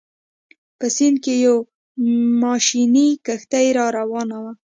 په سیند کې یوه ماشیني کښتۍ راروانه وه.